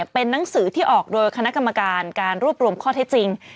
เป็นนังสือที่ออกโดยคณะกรรมการการรวบรวมข้อเท็จจริง